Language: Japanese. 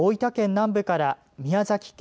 南部から宮崎県